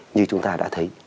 như chúng ta đã thấy